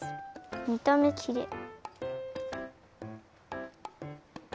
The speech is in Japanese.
みためきれい。